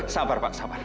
sabar pak sabar